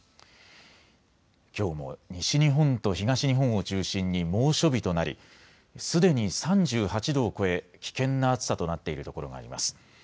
きょうも西日本と東日本を中心に猛暑日となりすでに３８度を超え危険な暑さとなっているところがあります。